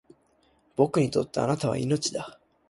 僕にとって貴方は命だ